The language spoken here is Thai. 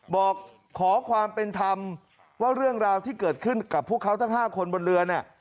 บอกขอความเป็นธรรมว่าเรื่องราวที่เกิดขึ้นกับพวกเขาทั้ง๕คนบนเรือเนี่ย